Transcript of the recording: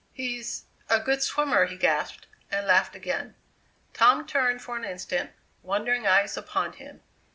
"He's a good swimmer!" he gasped, and laughed again. Tom turned, for an instant, wondering eyes upon him.